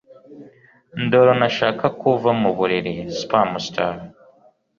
ndoro ntashaka kuva mu buriri. (Spamster)